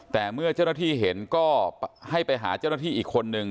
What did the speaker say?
แต่เมื่อเจ้าหน้าที่เห็นก็ให้ไปหาเจ้าหน้าที่อีกคนนึง